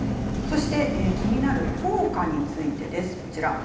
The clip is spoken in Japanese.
そして気になる効果についてです。